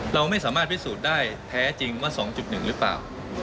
เราไม่สามารถพิสูจน์ได้แท้จริงว่า๒๑หรือเปล่า